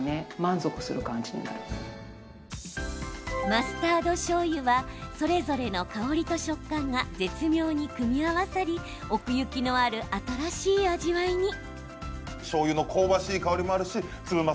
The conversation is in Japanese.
マスタードしょうゆはそれぞれの香りと食感が絶妙に組み合わさり奥行きのある新しい味わいに。